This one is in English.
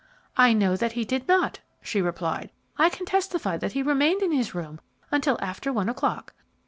"I know that he did not," she replied. "I can testify that he remained in his room until after one o'clock.